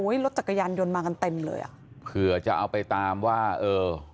รถจักรยานยนต์มากันเต็มเลยอ่ะเผื่อจะเอาไปตามว่าเออ